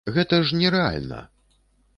Гэта ж не рэальна!